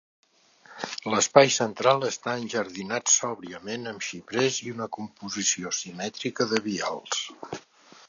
L'espai central està enjardinat sòbriament amb xiprers i una composició simètrica de vials.